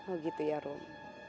oh gitu ya rum